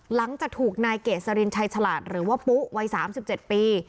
หลังจากถูกนายเกษรินชัยฉลาดหรือว่าปุ๊วัย๓๗ปี